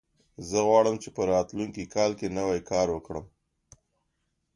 زه غواړم چې په راتلونکي کال کې نوی کار وکړم